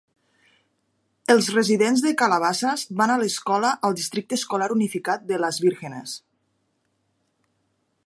Els residents de Calabasas van a l'escola al districte escolar unificat de Las Virgenes.